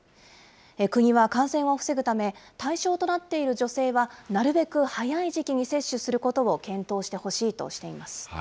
国は、感染を防ぐため、対象となっている女性は、なるべく早い時期に接種することを検討してほしいとしています。